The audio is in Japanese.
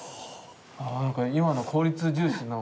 あなんか今の効率重視の。